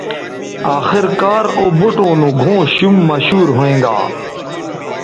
آخر کار او بوٹوں نو گھؤں شُم مشہور ھوینگا